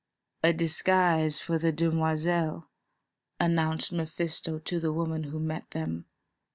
"A disguise for the demoiselle," announced Mephisto to the woman who met them.